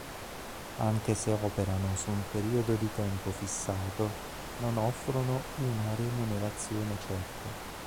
Anche se operano su un periodo di tempo fissato, non offrono una remunerazione certa.